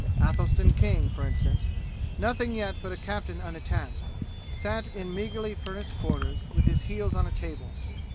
Athelstan King, for instance, nothing yet but a captain unattached, sat in meagerly furnished quarters with his heels on a table.